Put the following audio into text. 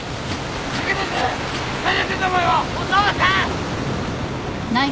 お父さん！